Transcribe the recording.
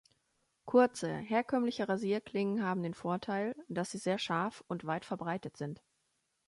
Kurze, herkömmliche Rasierklingen haben den Vorteil, dass sie sehr scharf und weit verbreitet sind.